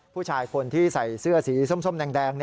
ผู้ชายคนที่ใส่เสื้อสีส้มแดง